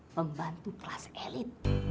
pembantu kelas elit